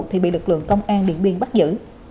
thì bị lực lượng công an điện biên bắt giữ